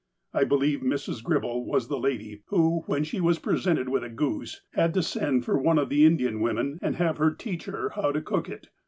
I believe Mrs. Gribbel was the lady, who, when she was presented with a goose, had to send for one of the Indian women and have her teach her how to cook it.